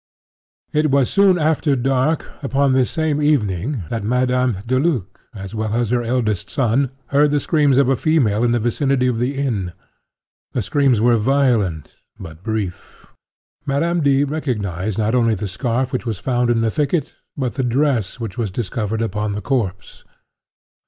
It was soon after dark, upon this same evening, that Madame Deluc, as well as her eldest son, heard the screams of a female in the vicinity of the inn. The screams were violent but brief. Madame D. recognized not only the scarf which was found in the thicket, but the dress which was discovered upon the corpse.